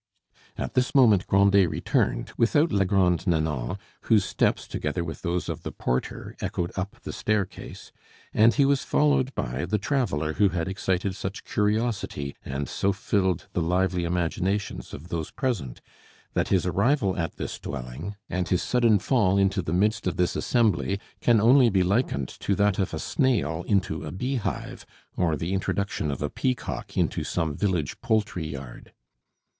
At this moment Grandet returned, without la Grande Nanon, whose steps, together with those of the porter, echoed up the staircase; and he was followed by the traveller who had excited such curiosity and so filled the lively imaginations of those present that his arrival at this dwelling, and his sudden fall into the midst of this assembly, can only be likened to that of a snail into a beehive, or the introduction of a peacock into some village poultry yard.